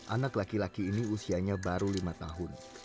anak laki laki ini usianya baru lima tahun